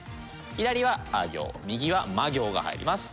左はあ行右はま行が入ります。